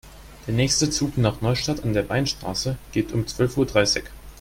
Der nächste Zug nach Neustadt an der Weinstraße geht um zwölf Uhr dreißig